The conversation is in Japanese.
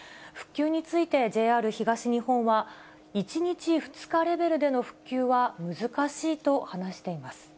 復旧について、ＪＲ東日本は、１日、２日レベルでの復旧は難しいと話しています。